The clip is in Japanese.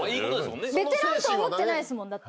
ベテランと思ってないですもんだって。